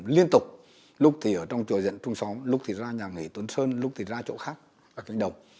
điểm liên tục lúc thì ở trong trò diện trung sóng lúc thì ra nhà nghỉ tuấn sơn lúc thì ra chỗ khác ở kênh đồng